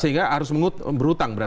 sehingga harus berhutang berarti